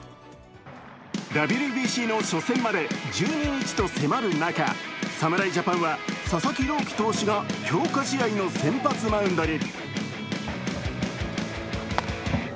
ＷＢＣの初戦まで１２日と迫る中、侍ジャパンは佐々木朗希投手が強化試合の先発マウンドに。